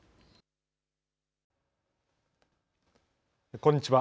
こんにちは。